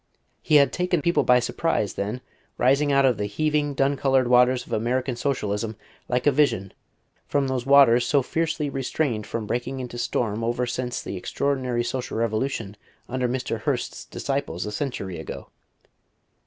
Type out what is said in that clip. He had taken people by surprise, then, rising out of the heaving dun coloured waters of American socialism like a vision from those waters so fiercely restrained from breaking into storm over since the extraordinary social revolution under Mr. Hearst's disciples, a century ago.